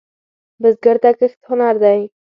بزګر ته کښت هنر دی